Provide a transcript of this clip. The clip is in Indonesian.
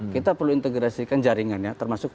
kita perlu integrasikan jaringannya termasuk